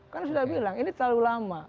karena sudah bilang ini terlalu lama